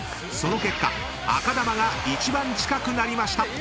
［その結果赤球が一番近くなりました］